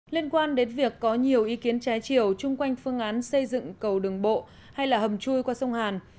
liên quan đến việc có nhiều ý kiến trái chiều chung quanh phương án xây dựng cầu đường bộ hay là hầm chui qua sông hàn